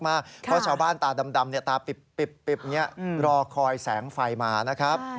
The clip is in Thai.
เพราะชาวบ้านตาดำตาปิบรอคอยแสงไฟมานะครับ